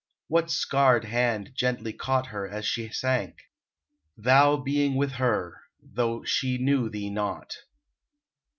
What scarred Hand gently caught her as she sank? Thou being with her, though she knew Thee not.